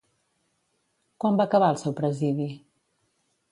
Quan va acabar el seu presidi?